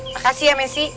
makasih ya messi